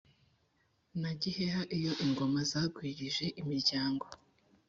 na giheha iyo ingoma zagwirije imiryango.